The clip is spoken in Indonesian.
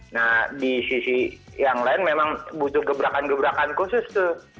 nah di sisi yang lain memang butuh gebrakan gebrakan khusus tuh